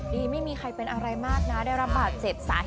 ดีไม่มีใครเป็นอะไรมากนะได้รับบาดเจ็บสาหัส